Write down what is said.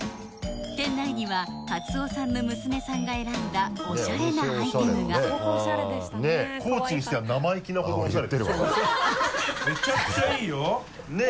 店内にはかつおさんの娘さんが選んだオシャレなアイテムがめちゃくちゃいいよ。ねぇ！